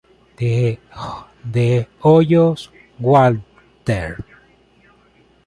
De Hoyos Walther.